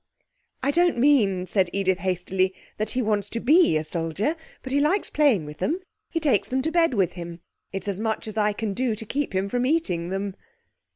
'I don't mean,' said Edith hastily, 'that he wants to be a soldier. But he likes playing with them. He takes them to bed with him. It is as much as I can do to keep him from eating them.'